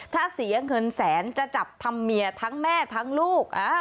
ถ้าเสียเงินแสนจะจับทำเมียทั้งแม่ทั้งลูก